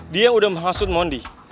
dia yang udah menghasut moni